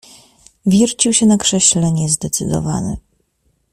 "Wiercił się na krześle niezdecydowany."